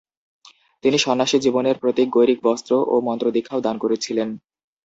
তিনি সন্ন্যাসী জীবনের প্রতীক গৈরিক বস্ত্র ও মন্ত্রদীক্ষাও দান করেছিলেন।